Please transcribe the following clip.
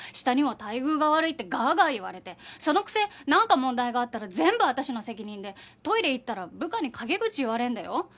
下には「待遇が悪い」ってガーガー言われてそのくせなんか問題があったら全部私の責任でトイレ行ったら部下に陰口言われるんだよ。